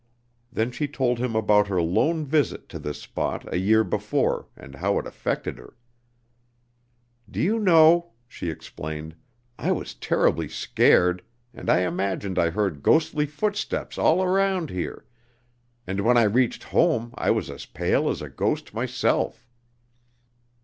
Then she told him about her lone visit to this spot a year before, and how it affected her. "Do you know," she explained, "I was terribly scared, and I imagined I heard ghostly footsteps all around here, and when I reached home I was as pale as a ghost myself."